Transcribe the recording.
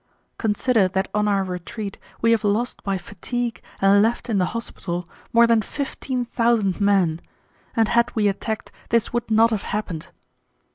Consider that on our retreat we have lost by fatigue and left in the hospital more than fifteen thousand men, and had we attacked this would not have happened.